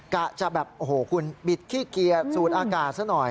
กะจะแบบโอ้โหคุณบิดขี้เกียร์สูดอากาศซะหน่อย